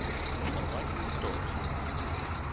A likely story!